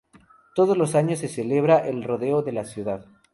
Todos los años se celebra el Rodeo de la ciudad.